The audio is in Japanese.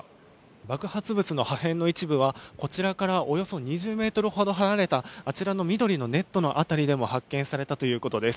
爆発物の破片の一部はこちらからおよそ２０ｍほど離れたあちらの緑のネットの辺りでも発見されたということです。